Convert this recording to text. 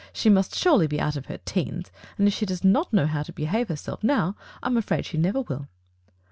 She must surely be out of her teens! And if she does not know how to behave herself now, I am afraid she never will.